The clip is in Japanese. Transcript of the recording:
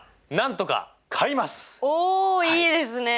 おおいいですね！